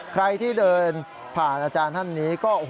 ใครที่เดินผ่านอาจารย์ท่านนี้ก็